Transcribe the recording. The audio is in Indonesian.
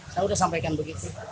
saya udah sampaikan begitu